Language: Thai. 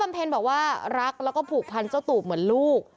เพนบอกว่ารักแล้วก็ผูกพันเจ้าตูบเหมือนลูก